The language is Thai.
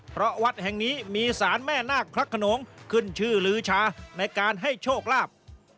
เพราะวัดแห่งนี้มีสารแม่นาคพระขนงขึ้นชื่อลื้อชาในการให้โชคลาภ